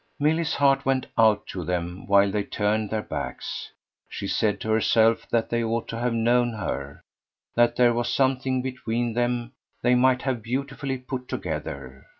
Milly's heart went out to them while they turned their backs; she said to herself that they ought to have known her, that there was something between them they might have beautifully put together.